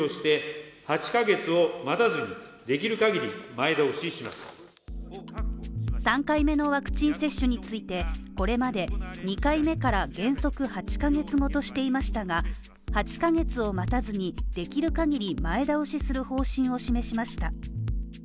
岸田総理は今日３回目のワクチン接種について、これまで２回目から原則８ヶ月後としていましたが、８ヶ月を待たずに、できる限り前倒しする方針を示しました。